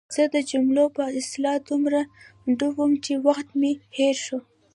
زه د جملو په اصلاح دومره ډوب وم چې وخت مې هېر شو.